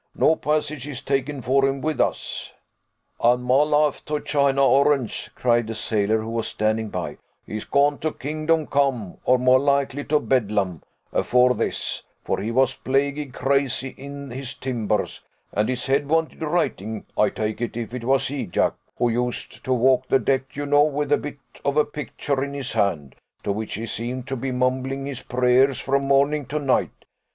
"No passage is taken for him with us." "And my life to a china orange," cried a sailor who was standing by, "he's gone to kingdom come, or more likely to Bedlam, afore this; for he was plaguy crazy in his timbers, and his head wanted righting, I take it, if it was he, Jack, who used to walk the deck, you know, with a bit of a picture in his hand, to which he seemed to be mumbling his prayers from morning to night.